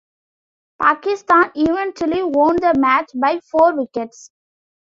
Pakistan eventually won the match by four wickets.